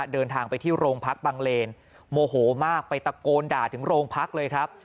เดินทางไปที่โรงพักบังเลนโมโหมากไปตะโกนด่าถึงโรงพักเลยครับ